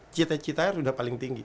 cita citanya sudah paling tinggi